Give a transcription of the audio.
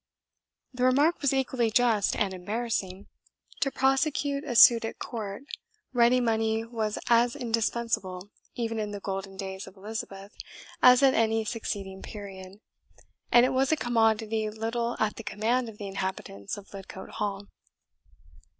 The remark was equally just and embarrassing. To prosecute a suit at court, ready money was as indispensable even in the golden days of Elizabeth as at any succeeding period; and it was a commodity little at the command of the inhabitants of Lidcote Hall.